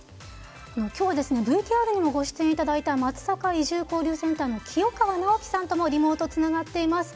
今日はＶＴＲにもご登場いただいたまつさか移住交流センターの清川直樹さんともリモートつながっています。